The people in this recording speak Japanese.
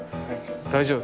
大丈夫。